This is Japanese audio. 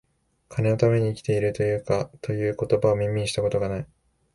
金のために生きている、という言葉は、耳にした事が無い